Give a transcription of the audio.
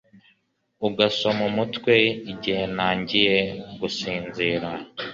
ugasoma umutwe igihe ntangiye gusinzira